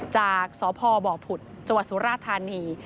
จากสพบพุทธจสุรธานี